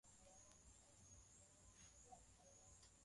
Mbaya zaidi ni kule kuamini kwao kwamba hilo linawezekana tu